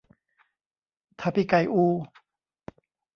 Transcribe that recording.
ถ้าพี่ไก่อู